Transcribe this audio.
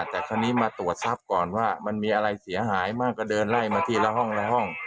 แต่คราวนี้มาตรวจทรัพย์ก่อนว่ามันมีอะไรเสียหายบ้างก็เดินไล่มาทีละห้องละห้อง